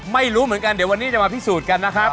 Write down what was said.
ไม่รู้เหมือนกันเดี๋ยววันนี้จะมาพิสูจน์กันนะครับ